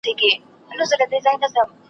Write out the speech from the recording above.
یوه ورځ به داسي راسي چي مي یار په سترګو وینم `